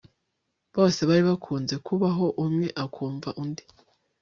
bose bari bakunze kubaho umwe akumva undi